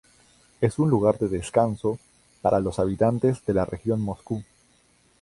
Es un lugar de descanso para los habitantes de la región de Moscú.